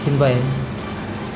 xin về thì